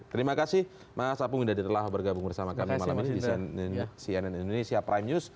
terima kasih mas apung indadi telah bergabung bersama kami malam ini di cnn indonesia prime news